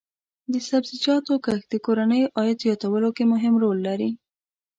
د سبزیجاتو کښت د کورنیو عاید زیاتولو کې مهم رول لري.